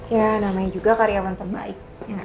ya namanya juga karyawan terbaik